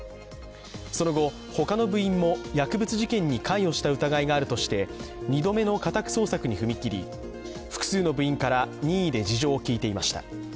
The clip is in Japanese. その後、他の部員も薬物事件に関与した疑いがあるとして２度目の家宅捜索に踏み切り、複数の部員から任意で事情を聴いていました。